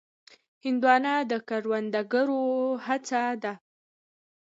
هندوانه د کروندګرو هڅه ده.